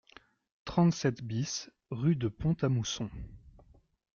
trente-sept BIS rue de Pont A Mousson